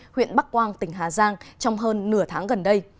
huyện bắc quang tỉnh hà giang trong hơn nửa tháng gần đây